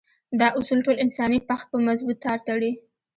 دا اصول ټول انساني پښت په مضبوط تار تړي.